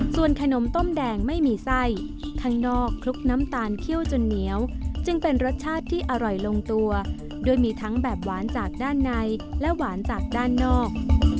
ส่วนขนมต้มแดงไม่มีไส้ข้างนอกคลุกน้ำตาลเคี่ยวจนเหนียวจึงเป็นรสชาติที่อร่อยลงตัวด้วยมีทั้งแบบหวานจากด้านในและหวานจากด้านนอก